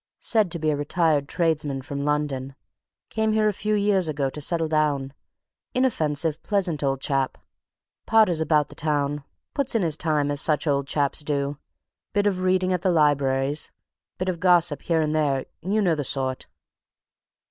Said to be a retired tradesman, from London. Came here a few years ago, to settle down. Inoffensive, pleasant old chap. Potters about the town puts in his time as such old chaps do bit of reading at the libraries bit of gossip here and there you know the sort.